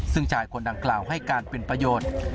ซึ่งชายคนดังกล่าวให้การเป็นประโยชน์